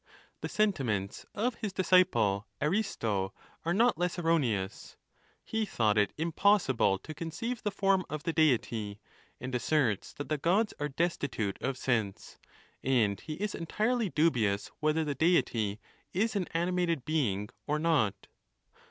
The sentiments of his dis ciple Aiisto are not less erroneous. He thought it impos sible to conceive the form of the Deity, and asserts that the Gods are destitute of sense; and he is entirely dubi ous whether the Deity is an animated being or not.